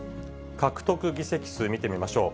獲得議席数見てみましょう。